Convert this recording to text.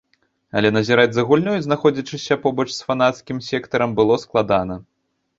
Але назіраць за гульнёй, знаходзячыся побач з фанацкім сектарам, было складана.